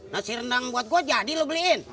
nasi rendang buat gua jadi lu beliin